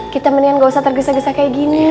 kita mendingan gak usah tergesa gesa kayak gini